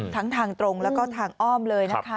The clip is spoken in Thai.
ทั้งทางตรงแล้วก็ทางอ้อมเลยนะคะ